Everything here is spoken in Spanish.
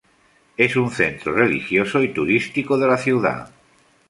Es un centro religioso y turístico de la ciudad.